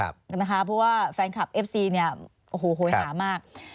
เพราะว่าแฟนคลับเอฟซีโหยหามาก